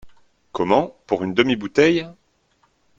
Comment, pour une demi-bouteille ?